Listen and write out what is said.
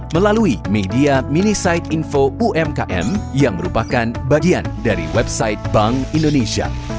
melalui media mini side info umkm yang merupakan bagian dari website bank indonesia